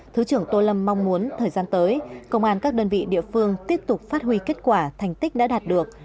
thứ trưởng tô lâm mong muốn thời gian tới công an các đơn vị địa phương tiếp tục phát huy kết quả thành tích đã đạt được